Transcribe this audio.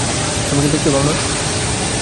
তুমি কি দেখতে পাওনা?